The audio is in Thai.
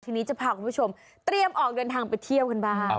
ทีนี้จะพาคุณผู้ชมเตรียมออกเดินทางไปเที่ยวกันบ้าง